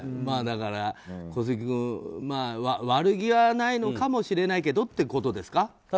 だから、小杉君悪気はないのかもしれないけどってことですか？